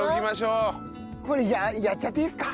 これやっちゃっていいですか？